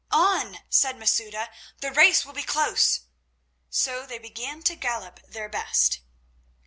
"On!" said Masouda. "The race will be close." So they began to gallop their best.